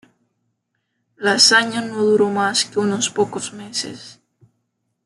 La hazaña no duró más que unos pocos meses.